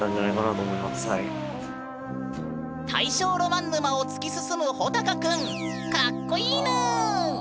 大正ロマン沼を突き進むほたかくんかっこいいぬん！